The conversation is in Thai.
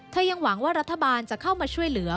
ยังหวังว่ารัฐบาลจะเข้ามาช่วยเหลือ